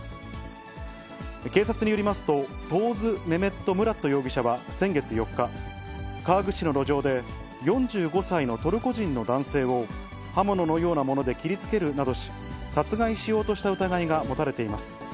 警察によりますと、トーズ・メメット・ムラット容疑者は先月４日、川口市の路上で、４５歳のトルコ人の男性を刃物のようなもので切りつけるなどし、殺害しようとした疑いが持たれています。